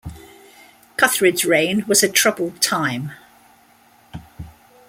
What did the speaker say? Cuthred's reign was a troubled time.